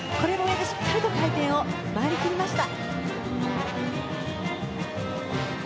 しっかりと回転を回り切りました。